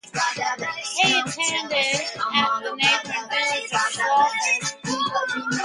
He attended at the neighbouring village of Schopfheim.